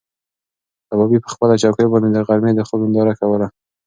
کبابي په خپله چوکۍ باندې د غرمې د خوب ننداره کوله.